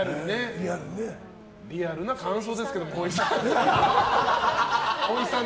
リアルな感想ですけどもほいさん。